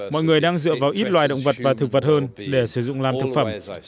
mọi người đang dựa vào ít loài động vật và thực vật hơn để sử dụng làm thực phẩm